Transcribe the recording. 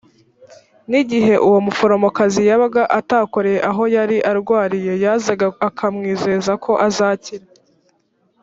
ni igihe uwo muforomokazi yabaga atakoreye aho yari arwariye yarazaga akamwizeza ko azakira